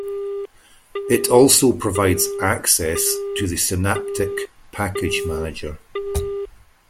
It also provides access to the Synaptic package manager.